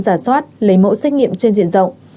giả soát lấy mẫu xét nghiệm trên diện rộng